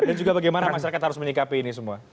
dan juga bagaimana masyarakat harus menyikapi ini semua